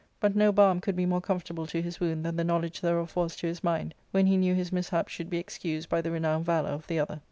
But no balm could be more comfortable to his wound than the knowledge thereof was to his mind, when he knew his mishap should be excused by the renowned valour of the other.